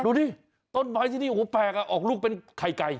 ดูดิต้นไม้ที่นี่โอ้โหแปลกออกลูกเป็นไข่ไก่